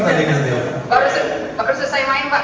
tadi lawan cina